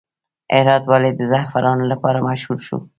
هرات ولې د زعفرانو لپاره مشهور شو؟